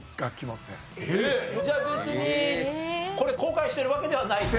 じゃあ別にこれ後悔してるわけではない？